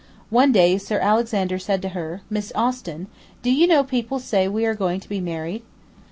One day Sir Alexander said to her: 'Miss Austin, do you know people say we are going to be married?